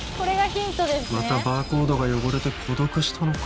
またバーコードが汚れて誤読したのか